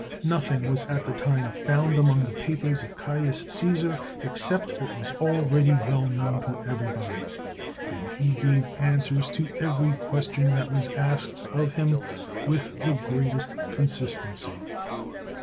Nothing was at that time found among the papers of Caius Caesar except what was already well known to every body ; and he gave answers to every question that was asked of him with the greatest consistency.